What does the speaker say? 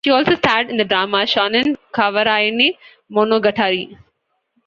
She also starred in the drama, "Shonan Kawarayane Monogatari".